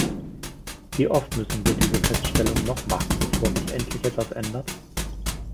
Wie oft müssen wir diese Feststellung noch machen, bevor sich endlich etwas ändert?